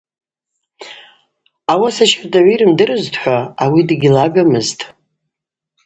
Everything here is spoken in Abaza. Ауаса щардагӏвы йрымдырызтӏхӏва ауи дыгьлагамызтӏ.